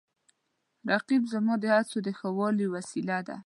رقیب زما د هڅو د ښه والي وسیله ده